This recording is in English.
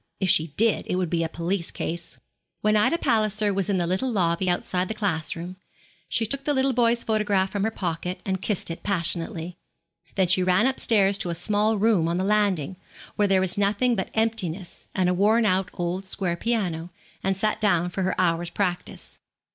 If she did, it would be a police case.' When Ida Palliser was in the little lobby outside the class room, she took the little boy's photograph from her pocket, and kissed it passionately. Then she ran upstairs to a small room on the landing, where there was nothing but emptiness and a worn out old square piano, and sat down for her hour's practice.